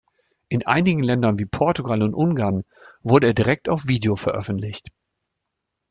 In einigen Ländern wie Portugal und Ungarn wurde er direkt auf Video veröffentlicht.